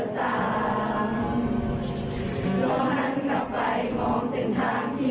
แต่เหมือนว่ามันจะยิ่งไกล